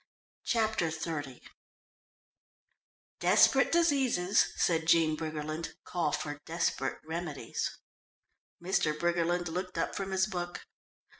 Chapter XXX "Desperate diseases," said Jean Briggerland, "call for desperate remedies." Mr. Briggerland looked up from his book.